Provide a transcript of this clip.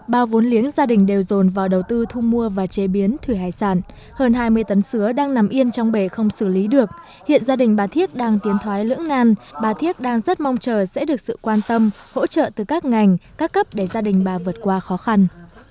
bà thiếc đã tồn vào đầu tư thu mua và chế biến thủy hải sản hơn hai mươi tấn sứa đang nằm yên trong bể không xử lý được hiện gia đình bà thiếc đang tiến thoái lưỡng ngan bà thiếc đang rất mong chờ sẽ được sự quan tâm hỗ trợ từ các ngành các cấp để gia đình bà vượt qua khó khăn